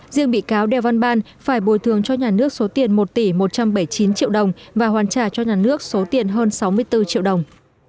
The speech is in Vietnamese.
riêng bị cáo đèo văn ban phải bồi thường cho nhà nước số tiền một tỷ một trăm bảy mươi chín triệu đồng và hoàn trả cho nhà nước số tiền hơn sáu mươi bốn triệu đồng